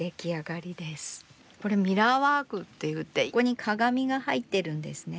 これミラーワークっていってここに鏡が入ってるんですね。